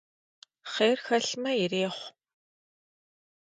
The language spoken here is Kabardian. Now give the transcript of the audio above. Хъер хэлъмэ, ирехъу.